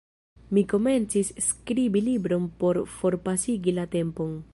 Mi komencis skribi libron por forpasigi la tempon.